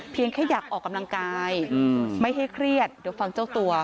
แค่อยากออกกำลังกายไม่ให้เครียดเดี๋ยวฟังเจ้าตัว